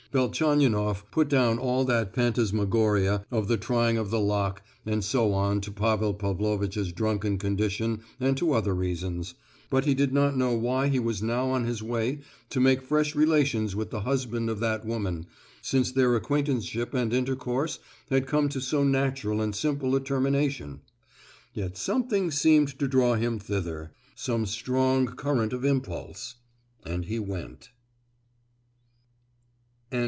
Velchaninoff put down all that phantasmagoria of the trying of the lock and so on to Pavel Pavlovitch's drunken condition and to other reasons,—but he did not know why he was now on his way to make fresh relations with the husband of that woman, since their acquaintanceship and intercourse had come to so natural and simple a termination; yet something seemed to draw him thither—some strong current of impulse,—and he went.